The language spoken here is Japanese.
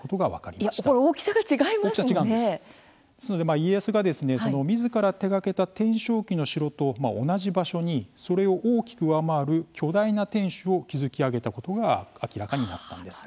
家康が、みずから手がけた天正期の城と同じ場所にそれを大きく上回る巨大な天守を築き上げたことが明らかになったのです。